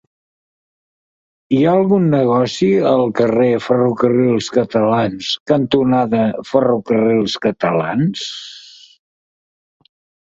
Hi ha algun negoci al carrer Ferrocarrils Catalans cantonada Ferrocarrils Catalans?